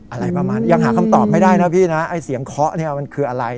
อะไรประมาณยังหาคำตอบไม่ได้นะพี่นะไอ้เสียงเคาะเนี่ยมันคืออะไร